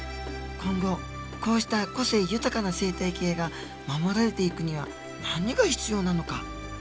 今後こうした個性豊かな生態系が守られていくには何が必要なのか。